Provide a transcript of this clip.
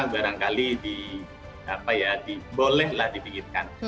barangkali bolehlah dipinggirkan